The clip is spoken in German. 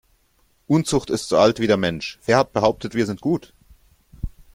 Unzucht ist so alt wie der Mensch - wer hat behauptet wir sind gut?